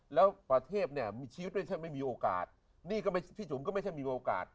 แล้วประเทศเนี่ยมีชีวิตไม่ใช่ไม่มีโอกาสนี่ก็ไม่พี่จุ๋มก็ไม่ใช่มีโอกาส